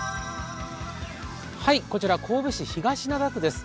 こちら神戸市東灘区です。